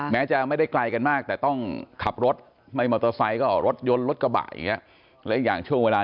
แม้จะไม่ได้ไกลกันมากแต่ต้องขับรถในมอเตอร์ไซส์รถยนต์รถกระบ๋าอีกอย่างช่วงเวลานี้